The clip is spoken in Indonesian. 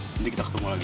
nanti kita ketemu lagi